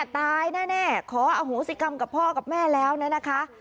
ตายแน่ขออโหสิกรรมกับพ่อกับแม่แล้วนะคะ